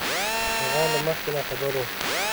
هغه له مخکې نه خبر وو